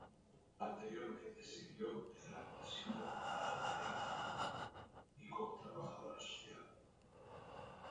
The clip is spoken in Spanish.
Anteriormente sirvió en la Comisión del Condado de Eaton, y como trabajadora social.